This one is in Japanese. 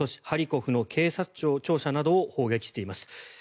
ハリコフの警察庁舎などを砲撃しています。